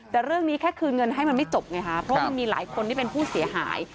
แต่เรื่องนี้แค่คืนเงินให้มันไม่จบไงคะเพราะมันมีหลายคนที่เป็นผู้เสียหาย